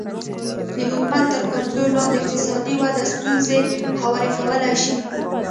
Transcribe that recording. د حکومت تر کنټرول لاندې اقتصادي وده ستونزې هوارې کولی شي